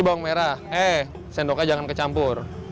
bawang merah eh sendoknya jangan kecampur